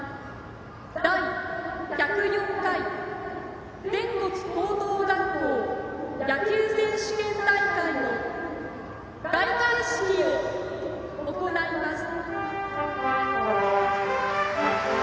第１０４回全国高等学校野球選手権大会の開会式を行います。